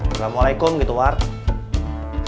assalamualaikum gitu ward